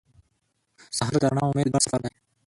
سهار د رڼا او امید ګډ سفر دی.